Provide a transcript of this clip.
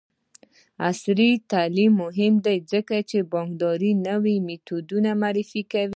عصري تعلیم مهم دی ځکه چې د بانکدارۍ نوې میتودونه معرفي کوي.